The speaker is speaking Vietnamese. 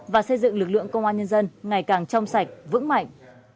và xây dựng lực lượng công an nhân dân ngày càng trong sạch vững mạnh